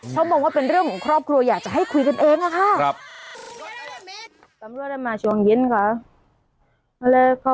เพราะมองว่าเป็นเรื่องของครอบครัวอยากจะให้คุยกันเองอะค่ะ